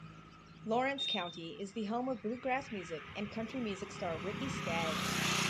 Lawrence County is the home of bluegrass music and country music star Ricky Skaggs.